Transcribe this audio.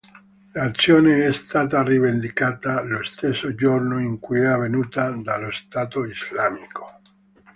L'azione è stata rivendicata lo stesso giorno in cui è avvenuta dallo Stato Islamico.